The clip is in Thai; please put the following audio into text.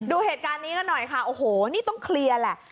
ดูเหตุการณ์นี้กันหน่อยค่ะโอ้โหนี่ต้องเคลียร์แหละ